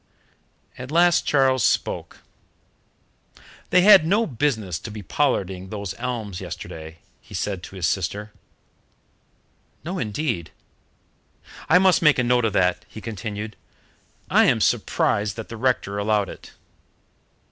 At last Charles spoke. "They had no business to be pollarding those elms yesterday," he said to his sister. "No indeed." "I must make a note of that," he continued. "I am surprised that the rector allowed it."